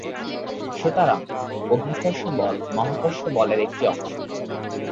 সুতরাং অভিকর্ষ বল মহাকর্ষ বলের একটি অংশ।